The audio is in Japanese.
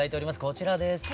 こちらです。